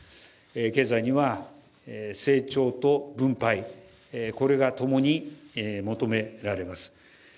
経済には成長と分配、これがともに求められます。